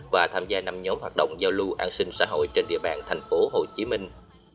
và tham gia năm nhóm hoạt động giao lưu an sinh xã hội trên địa bàn thành phố hồ chí minh